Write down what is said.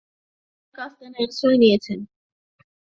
তিনি নতুন এক আস্তানায় আশ্রয় নিয়েছেন।